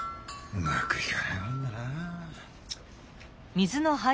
うまくいかないもんだな。